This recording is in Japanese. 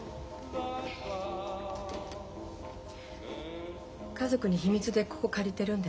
家族に秘密でここ借りてるんです。